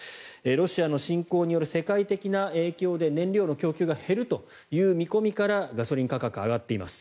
ロシアの侵攻による世界的な影響で燃料の供給が減るという見込みからガソリン価格が上がっています。